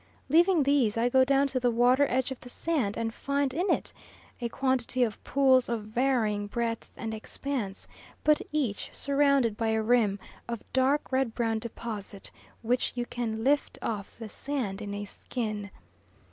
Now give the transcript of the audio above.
Leaving these, I go down to the water edge of the sand, and find in it a quantity of pools of varying breadth and expanse, but each surrounded by a rim of dark red brown deposit, which you can lift off the sand in a skin.